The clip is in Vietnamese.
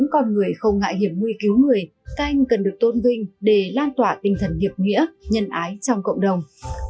các anh cần được tôn vinh để lan tỏa tinh thần hiệp nghĩa nhân ái trong cộng đồng